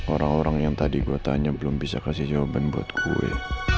orang orang yang tadi gue tanya belum bisa kasih jawaban buat gue